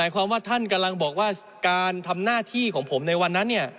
การทำหน้าที่ของผมในวันนั้นเนี้ย